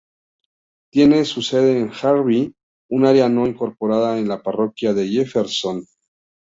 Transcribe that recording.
Tiene su sede en Harvey, un área no incorporada en la Parroquia de Jefferson.